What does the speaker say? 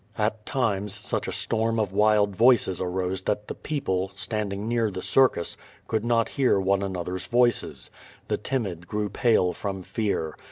At times such a storm of wild voices arose that the people, standing near the circus, couhl not hear one another's voices. The timid grew pale from fear.